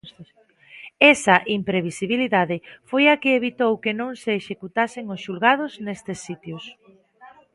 Esa imprevisibilidade foi a que evitou que non se executasen os xulgados nestes sitios.